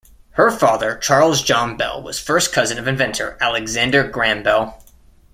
Her father Charles John Bell was first cousin of inventor Alexander Graham Bell.